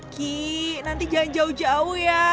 ki nanti jangan jauh jauh ya